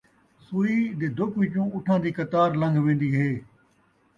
سوئی دے دُک وچوں اُٹھاں دی قطار لن٘گھ وین٘دی ہے